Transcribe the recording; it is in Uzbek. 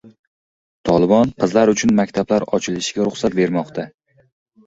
Tolibon qizlar uchun maktablar ochishga ruxsat bermoqda.